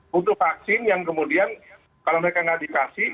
butuh vaksin yang kemudian kalau mereka nggak dikasih